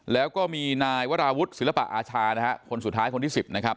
แล้วก็มีนายวราวุฒิศิลปะอาชานะฮะคนสุดท้ายคนที่๑๐นะครับ